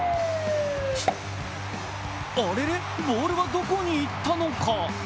あれれ、ボールはどこに行ったのか。